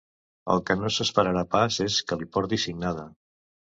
El que no s'esperarà pas és que li porti signada!